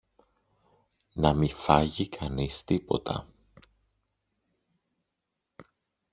να μη φάγει κανείς τίποτα!